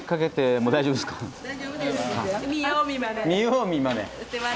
見よう見まね。